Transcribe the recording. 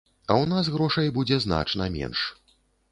А ў нас грошай будзе значна менш.